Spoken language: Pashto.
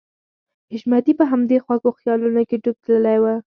حشمتي په همدې خوږو خيالونو کې ډوب تللی و.